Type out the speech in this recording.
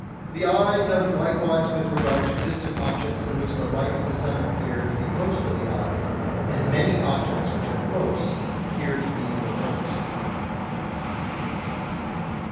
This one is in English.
The eye does likewise with regard to distant objects which in the light of the sun appear to be close to the eye, and many objects which are close appear to be remote.